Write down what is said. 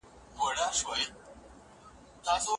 پاڼه د وخت له هر سخت ګوزار سره نڅېدلې وه.